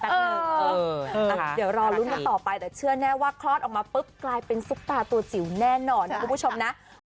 เดี๋ยวรอลุ้นกันต่อไปแต่เชื่อแน่ว่าคลอดออกมาปุ๊บกลายเป็นซุปตาตัวจิ๋วแน่นอนนะคุณผู้ชมนะ